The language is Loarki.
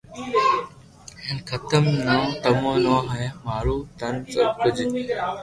ھين ختم بو تمو تو ھي مارون تن سب ڪجھ